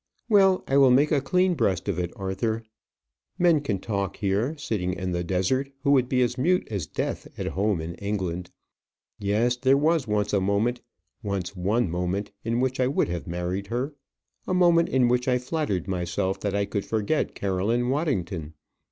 "Well, I will make a clean breast of it, Arthur. Men can talk here, sitting in the desert, who would be as mute as death at home in England. Yes; there was once a moment, once one moment, in which I would have married her a moment in which I flattered myself that I could forget Caroline Waddington.